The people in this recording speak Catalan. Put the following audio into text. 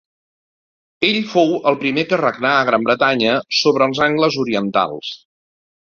Ell fou el primer que regnà a Gran Bretanya sobre els angles orientals.